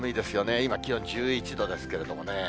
今、気温１１度ですけれどもね。